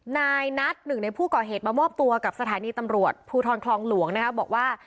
นายนัดหนึ่งในผู้ก่อเหตุมามอบตัวกับสถานีตำรวจภูทรคลองหลวงนะคะบอกว่า